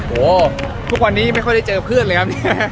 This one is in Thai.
โอ้โหทุกวันนี้ไม่ค่อยได้เจอเพื่อนเลยครับ